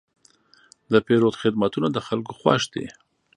د پیرود خدمتونه د خلکو خوښ دي.